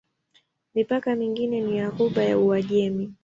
Mipaka mingine ni ya Ghuba ya Uajemi.